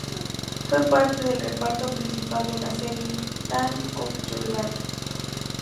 Fue parte del reparto principal de la serie "Time of Your Life".